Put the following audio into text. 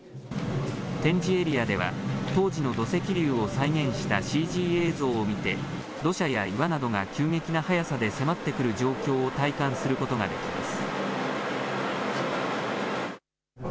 展示エリアでは当時の土石流を再現したＣＧ映像を見て土砂や岩などが急激な速さで迫ってくる状況を体感することができます。